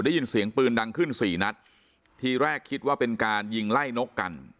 ได้ยินเสียงปืนดังขึ้นสี่นัดทีแรกคิดว่าเป็นการยิงไล่นกกัน